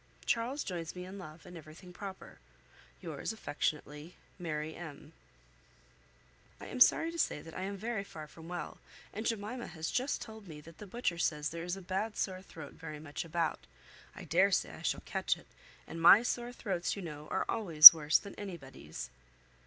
Charles joins me in love, and everything proper. Yours affectionately, "MARY M——." "I am sorry to say that I am very far from well; and Jemima has just told me that the butcher says there is a bad sore throat very much about. I dare say I shall catch it; and my sore throats, you know, are always worse than anybody's."